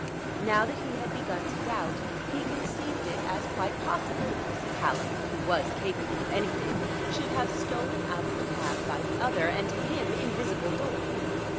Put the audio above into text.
Now that he had begun to doubt, he conceived it as quite possible that Mrs. Hallam (who was capable of anything) should have stolen out of the cab by the other and, to him, invisible door.